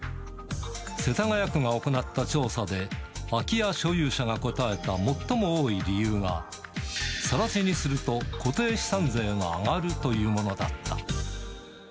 世田谷区が行った調査で、空き家所有者が答えた最も多い理由が、更地にすると固定資産税が上がるというものだった。